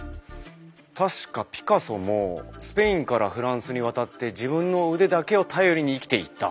確かピカソもスペインからフランスに渡って自分の腕だけを頼りに生きていた。